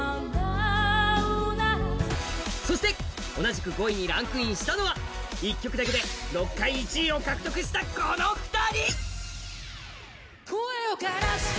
そして同じく５位にランクインしたのは１曲だけで６回１位を獲得したこの２人！